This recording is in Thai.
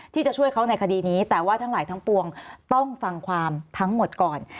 ที่จะช่วยเขาในคดีนี้แต่ว่าทั้งหลายทั้งปวงต้องฟังความทั้งหมดก่อน